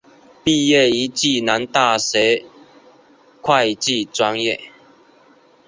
毕业于暨南大学会计专业。